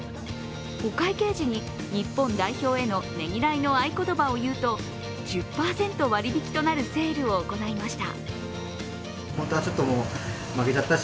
お会計時に、日本代表へのねぎらいの合い言葉を言うと１０％割引きとなるセールを行いました。